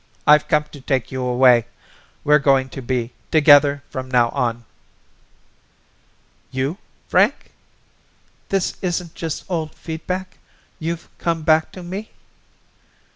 I've come to take you away. We're going to be together from now on." "You, Frank? This isn't just old feedback? You've come back to me?"